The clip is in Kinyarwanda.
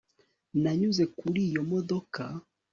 nanyuze kuri iyo modoka